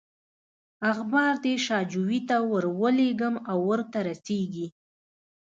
اخبار دې شاجوي ته ورولېږم او ورته رسېږي.